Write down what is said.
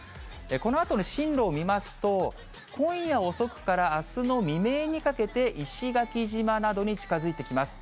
このあとの進路を見ますと、今夜遅くからあすの未明にかけて、石垣島などに近づいてきます。